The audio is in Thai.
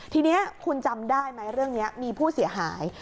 ทีนี้คุณจำได้ไหมเรื่องนี้มีผู้เสียหาย